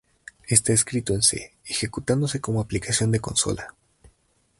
Está escrito en C, ejecutándose como aplicación de consola.